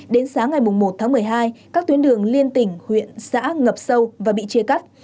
đến sáng ngày một tháng một mươi hai các tuyến đường liên tỉnh huyện xã ngập sâu và bị chia cắt